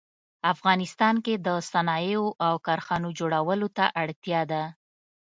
افغانستان کې د صنایعو او کارخانو جوړولو ته اړتیا ده